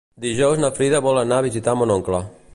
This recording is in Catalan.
Dijous na Frida vol anar a visitar mon oncle.